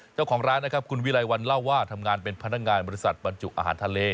เจ้าของร้านนะครับคุณวิรัยวันเล่าว่าทำงานเป็นพนักงานบริษัทบรรจุอาหารทะเล